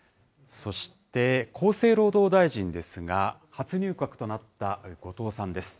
そして厚生労働大臣ですが、初入閣となった後藤さんです。